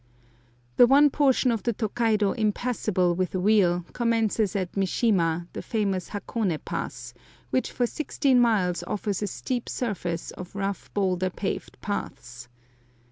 The one portion of the Tokaido impassable with a wheel commences at Mishima, the famous Hakone Pass, which for sixteen miles offers a steep surface of rough bowlder paved paths.